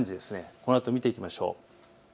このあと見ていきましょう。